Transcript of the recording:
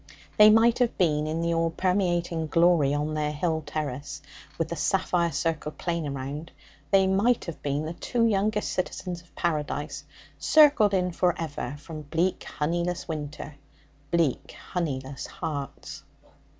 They might have been, in the all permeating glory on their hill terrace, with the sapphire circled plain around they might have been the two youngest citizens of Paradise, circled in for ever from bleak honeyless winter, bleak honeyless hearts.